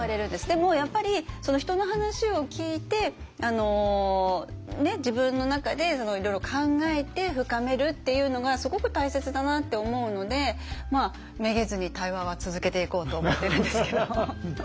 でもやっぱり人の話を聞いてあの自分の中でいろいろ考えて深めるっていうのがすごく大切だなって思うのでめげずに対話は続けていこうと思ってるんですけど。